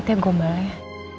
pintar banget ya gombalnya